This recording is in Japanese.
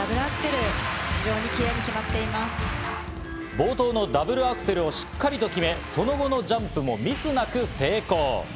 冒頭のダブルアクセルをしっかりと決め、その後のジャンプもミスなく成功。